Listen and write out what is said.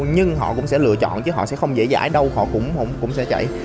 nhưng họ cũng sẽ lựa chọn chứ họ sẽ không dễ dãi đâu họ cũng sẽ chạy